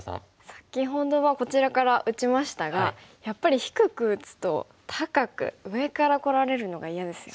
先ほどはこちらから打ちましたがやっぱ低く打つと高く上からこられるのが嫌ですよね。